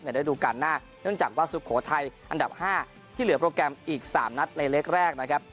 ระดูการหน้าเนื่องจากว่าสุโขทัยอันดับ๕ที่เหลือโปรแกรมอีก๓นัดในเล็กแรกนะครับ